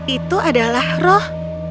itu adalah roh